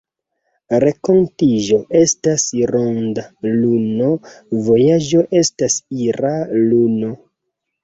Renkontiĝo estas ‘ronda luno’,vojaĝo estas ‘ira luno’.